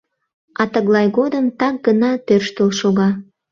А тыглай годым так гына тӧрштыл шога.